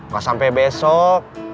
gak sampe besok